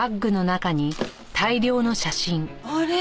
あれ？